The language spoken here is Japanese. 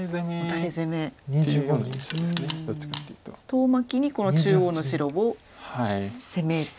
遠巻きにこの中央の白を攻める。